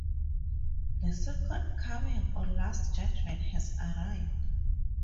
The Second Coming or Last Judgment has arrived.